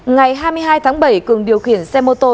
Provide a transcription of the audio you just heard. ngày hai mươi hai tháng bảy cường điều khiển xe mô tô